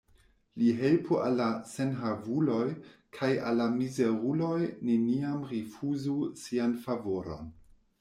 Li helpu al la senhavuloj, kaj al la mizeruloj neniam rifuzu sian favoron.